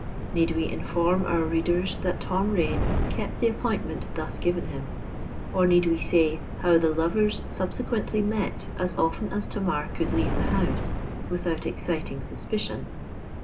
_"—Need we inform our readers that Tom Rain kept the appointment thus given him? Or need we say how the lovers subsequently met as often as Tamar could leave the house without exciting suspicion?